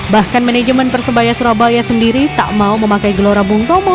bahkan manajemen persebaya surabaya sendiri tak mau memakai gelora bung tomo